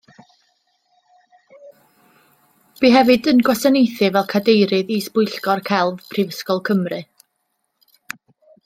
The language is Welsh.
Bu hefyd yn gwasanaethu fel cadeirydd is-bwyllgor celf Prifysgol Cymru.